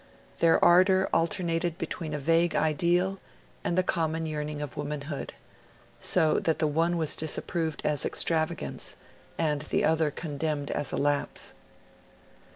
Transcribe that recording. Their ardor alternated between a vague ideal and the common yearning of womanhood; so that the one was disapproved as extravagance, and the other condemned as a lapse.